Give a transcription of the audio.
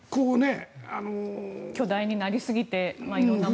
巨大になりすぎて色々な問題が。